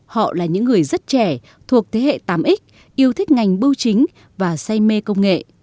họ là những người rất trẻ thuộc thế hệ tám x yêu thích ngành bưu chính và say mê công nghệ